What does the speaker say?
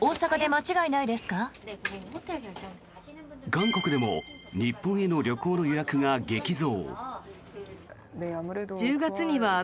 韓国でも日本への旅行の予約が激増。